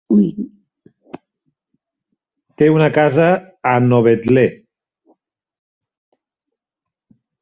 Té una casa a Novetlè.